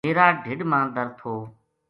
میرا ڈھیڈ ما درد تھو